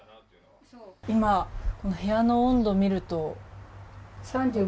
今、部屋の温度を見ると。